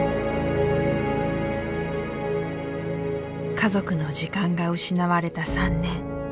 家族の時間が失われた３年。